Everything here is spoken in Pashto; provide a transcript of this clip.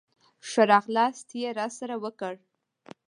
ښه راغلاست یې راسره وکړ.